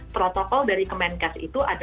protokol dari kemenkes itu